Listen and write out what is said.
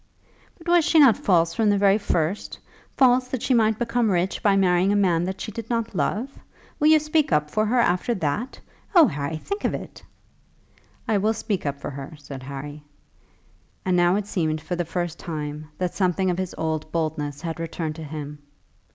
"But was she not false from the very first, false, that she might become rich by marrying a man that she did not love? Will you speak up for her after that? Oh, Harry, think of it." "I will speak up for her," said Harry; and now it seemed for the first time that something of his old boldness had returned to him.